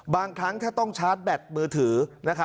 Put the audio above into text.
บางครั้งถ้าต้องชาร์จแบตมือถือ